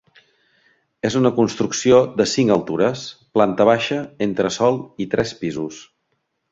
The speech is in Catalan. És una construcció de cinc altures, planta baixa, entresòl i tres pisos.